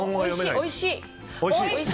おいしい！